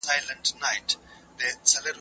زه شګه پاک کړی دی.